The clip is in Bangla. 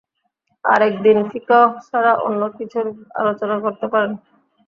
আর একদিন ফিকহ ছাড়া অন্য কিছুর আলোচনা করতেন না।